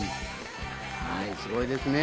はい、すごいですね。